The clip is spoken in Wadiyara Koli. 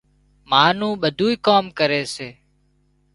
ما نُون ٻڌُونئي ڪام ڪري سي